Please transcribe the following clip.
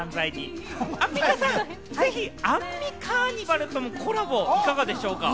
アンミカさん、ぜひ『アンミカーニバル』ともコラボいかがでしょうか？